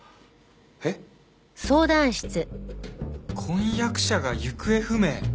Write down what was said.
婚約者が行方不明？